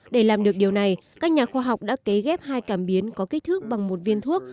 để làm được điều này các nhà khoa học đã cấy ghép hai cảm biến có kích thước bằng một viên thuốc